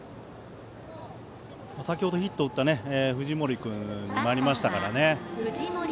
先程ヒットを打った藤森君になりましたからね。